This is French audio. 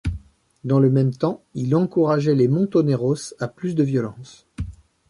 Dans le même temps, il encourageait les Montoneros à plus de violence.